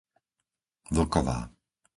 Vlková